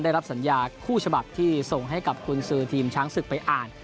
ได้รับสัญญาคู่ฉบับที่ส่งให้กับคุณสือทีมช้างศึกไปอ่าน